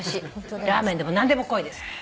ラーメンでも何でも来いです。